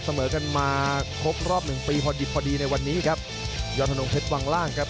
เสมอกันมาครบรอบหนึ่งปีพอดิบพอดีในวันนี้ครับยอดธนงเพชรวังล่างครับ